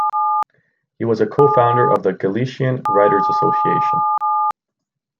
He was a cofounder of the Galician Writers Association.